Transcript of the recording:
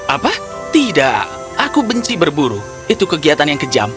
apa tidak aku benci berburu itu kegiatan yang kejam